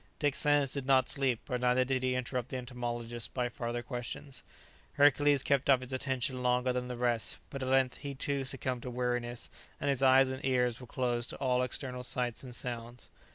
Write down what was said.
Dick Sands did not sleep, but neither did he interrupt the entomologist by farther questions; Hercules kept up his attention longer than the rest, but at length he too succumbed to weariness, and his eyes and ears were closed to all external sights and sounds.